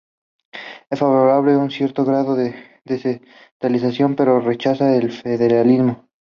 Es favorable a un cierto grado de descentralización, pero rechaza el federalismo.